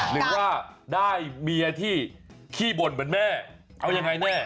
หรือว่าได้เมียที่ขี้บ่นเหมือนแม่เอายังไงแน่